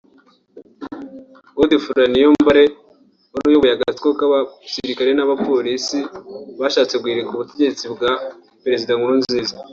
Godefroid Niyombare wari uyoboye agatsiko k’abasirikare n’abapolisi bashatse guhirika ubutegetsi bwa Perezida Nkurunziza